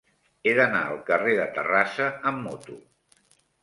He d'anar al carrer de Terrassa amb moto.